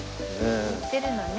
売ってるのね